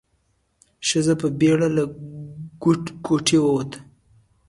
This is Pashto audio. ښځه په بيړه له کوټې ووته.